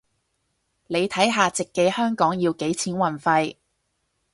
你睇下直寄香港要幾錢運費